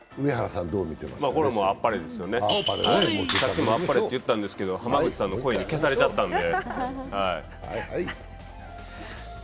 さっきもあっぱれって言ったんですけど、浜口さんの声に消されちゃったんで。